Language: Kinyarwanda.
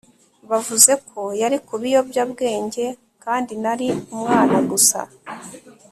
bavuze ko yari ku biyobyabwenge kandi nari umwana gusa